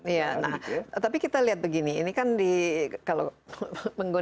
iya nah tapi kita lihat begini ini kan di kalau penggunaan